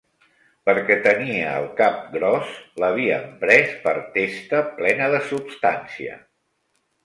Perquè tenia el cap gros, l’havien pres per testa plena de substancia